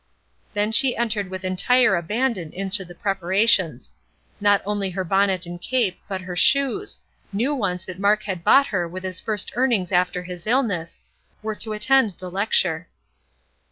Then she entered with entire abandon into the preparations. Not only her bonnet and cape, but her shoes new ones that Mark had bought her with his first earnings after his illness were to attend the lecture.